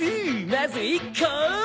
まず１個。